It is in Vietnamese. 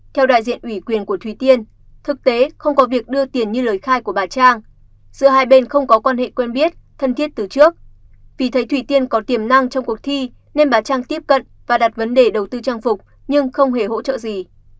theo đại diện ủy quyền của thúy tiên thực tế không có việc đưa tiền như lời khai của bà trang giữa hai bên không có quan hệ quen biết thân thiết từ trước vì thấy thủy tiên có tiềm năng trong cuộc thi nên bà trang tiếp cận và đặt vấn đề đầu tư trang phục nhưng không hề hỗ trợ gì